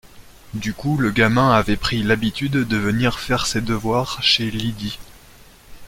Du coup le gamin avait pris l’habitude de venir faire ses devoirs chez Lydie.